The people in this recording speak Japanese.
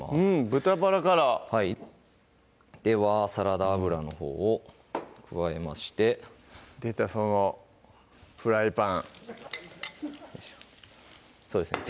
豚バラからはいではサラダ油のほうを加えまして出たそのフライパンよいしょそうですね